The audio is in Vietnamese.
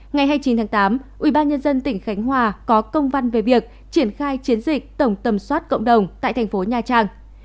ngày hai mươi chín tháng tám ubnd tỉnh khánh hòa có công văn về việc triển khai chiến dịch tổng tầm soát cộng đồng tại thành phố nha trang